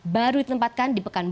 baru ditempatkan di pekanbuk